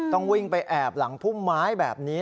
ต้องวิ่งไปแอบหลังพุ่มไม้แบบนี้